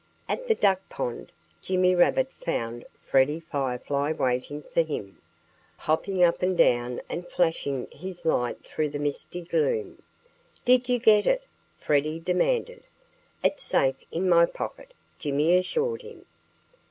At the duck pond Jimmy Rabbit found Freddie Firefly waiting for him, hopping up and down and flashing his light through the misty gloom. "Did you get it?" Freddie demanded. "It's safe in my pocket," Jimmy assured him.